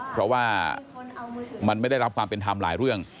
เพราะว่ามันไม่ได้รับความเป็นธรรมหลายเรื่อง